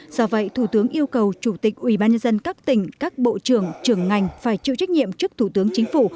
do vậy thủ tướng yêu cầu chủ tịch ubnd các tỉnh các bộ trưởng trưởng ngành phải chịu trách nhiệm trước thủ tướng chính phủ